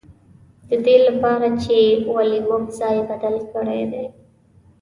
د دې له پاره چې ولې موږ ځای بدل کړی دی.